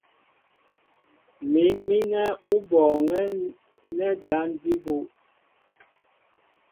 Mǐm mínɛ́ ó bɔɔŋɛ́ nɛ́ jǎn jí bú.